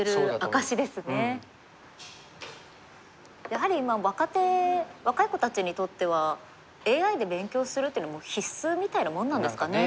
やはり若手若い子たちにとってはＡＩで勉強するというのはもう必須みたいなもんなんですかね。